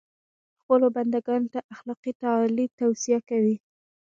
خپلو بنده ګانو ته اخلاقي تعالي توصیه کوي.